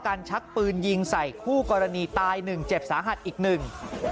ทะเลาะกันชักปืนยิงใส่คู่กรณีตาย๑เจ็บสาหัสอีกหนึ่ง